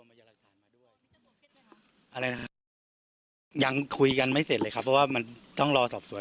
อะไรนะฮะยังคุยกันไม่เสร็จเลยครับเพราะว่ามันต้องรอสอบสวน